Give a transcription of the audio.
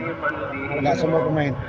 kalau nggak semua pemain